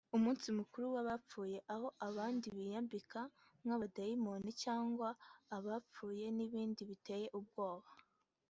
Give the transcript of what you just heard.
umunsi mukuru w’abapfuye aho abandi biyambika nk’amadayimoni cyangwa abapfuye n’ibindi biteye ubwoba